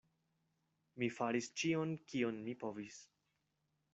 Mi faris ĉion, kion mi povis.